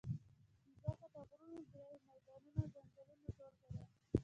مځکه د غرونو، دریو، میدانونو او ځنګلونو ټولګه ده.